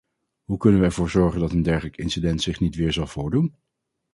Hoe kunnen we ervoor zorgen dat een dergelijk incident zich niet weer zal voordoen?